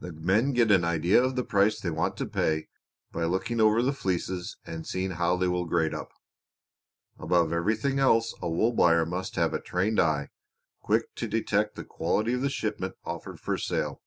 The men get an idea of the price they want to pay by looking over the fleeces and seeing how they will grade up. Above everything else a wool buyer must have a trained eye, quick to detect the quality of the shipment offered for sale.